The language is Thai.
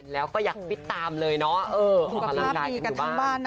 แล้วก็อยากติดตามเลยเนาะเออเอามาล้างดายกันอยู่บ้าน